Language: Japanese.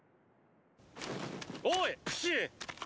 おい⁉フシ！